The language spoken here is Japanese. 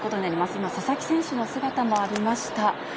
今、佐々木選手の姿もありました。